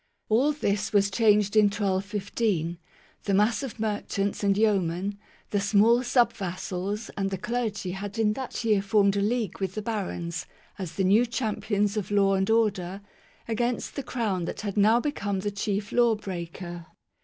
All this was changed in 1215; the mass of merchants and yeomen, the small subvassals, and the clergy had in that year formed a league with the barons, as the new champions of law and order, against the Crown that had now become the chief law breaker.